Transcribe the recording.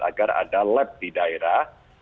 agar ada lab di daerah